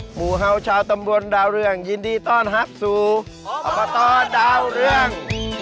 หมู่เห่าชาวตำบลดาวเรืองยินดีต้อนรับสู่อบตดาวเรือง